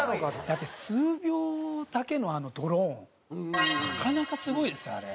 だって数秒だけのあのドローンなかなかすごいですよあれ。